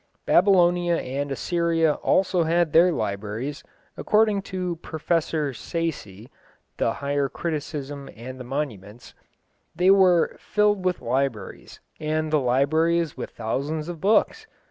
Babylonia and Assyria also had their libraries. According to Professor Sayce (The Higher Criticism and the Monuments) they were "filled with libraries, and the libraries with thousands of books."